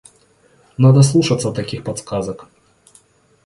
Надо слушаться таких подсказок.